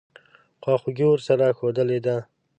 خواخوږي ورسره ښودلې وه.